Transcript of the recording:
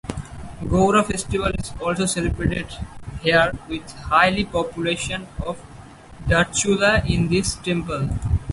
Gaura Festival is also celebrated here with highly population of darchula in this temple.